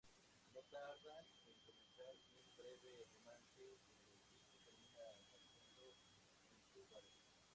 No tardan en comenzar un breve romance, pero Jimmy termina partiendo en su barco.